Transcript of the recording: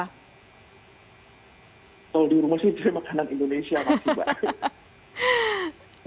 kalau di rumah sih jadi makanan indonesia mbak